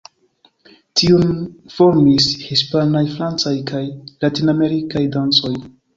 Tiun formis hispanaj, francaj kaj latinamerikaj dancoj.